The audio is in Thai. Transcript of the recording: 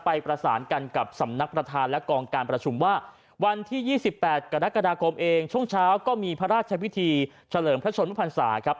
ประสานกันกับสำนักประธานและกองการประชุมว่าวันที่๒๘กรกฎาคมเองช่วงเช้าก็มีพระราชพิธีเฉลิมพระชนมพันศาครับ